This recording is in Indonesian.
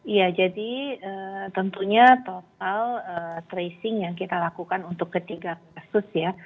iya jadi tentunya total tracing yang kita lakukan untuk ketiga kasus ya